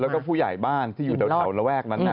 แล้วก็ผู้ใหญ่บ้านที่อยู่แถวระแวกนั้น